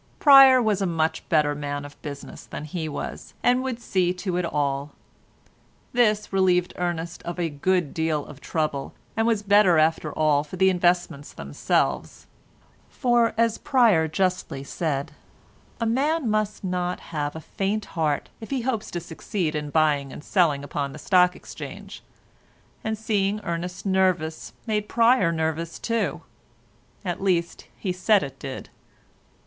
Pryer was a much better man of business than he was, and would see to it all. This relieved Ernest of a good deal of trouble, and was better after all for the investments themselves; for, as Pryer justly said, a man must not have a faint heart if he hopes to succeed in buying and selling upon the Stock Exchange, and seeing Ernest nervous made Pryer nervous too—at least, he said it did.